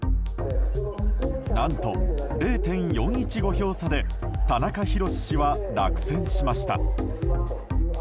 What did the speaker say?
何と、０．４１５票差で田中裕史氏は落選しました。